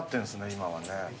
今はね。